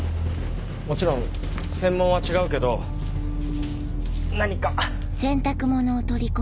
もちろん専門は違うけど何か。